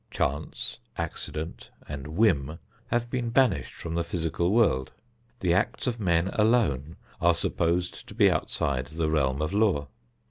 Chance, accident and whim have been banished from the physical world. The acts of men alone are supposed to be outside the realm of law.